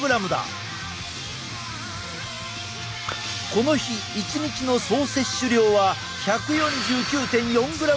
この日一日の総摂取量は１４９．４ｇに達したぞ！